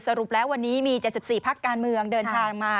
สรุปแล้ววันนี้มี๗๔พักการเมืองเดินทางมา